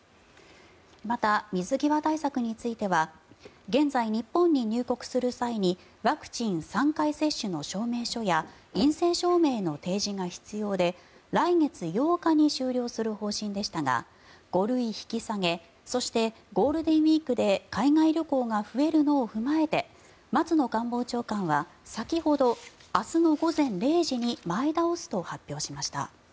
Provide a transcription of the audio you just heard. また、水際対策については現在、日本に入国する際にワクチン３回接種の証明書や陰性証明の提示が必要で来月８日に終了する方針でしたが５類引き下げそしてゴールデンウィークで海外旅行が増えるのを踏まえて松野官房長官は先ほど明日の午前０時に前倒すと発表しました。